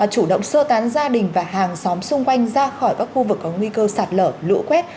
chủ động sơ tán gia đình và hàng xóm xung quanh ra khỏi các khu vực có nguy cơ sạt lở lũ quét